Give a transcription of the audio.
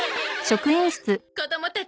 子供たち